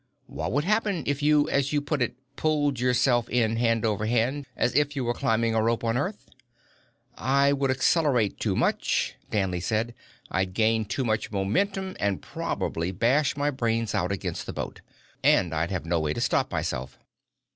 What would happen if you, as you put it, pulled yourself in hand over hand, as if you were climbing a rope on Earth?" "I would accelerate too much," Danley said. "I'd gain too much momentum and probably bash my brains out against the boat. And I'd have no way to stop myself."